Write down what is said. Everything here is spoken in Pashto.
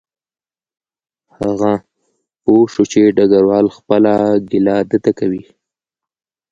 هغه پوه شو چې ډګروال خپله ګیله ده ته کوي